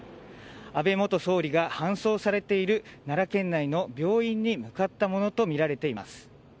安倍元総理が搬送されている奈良県内の病院に向かったものとみられています。